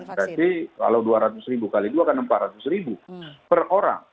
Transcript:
berarti kalau dua ratus ribu kali dua akan empat ratus ribu per orang